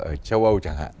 ở châu âu chẳng hạn